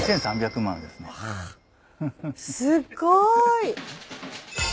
すっごい。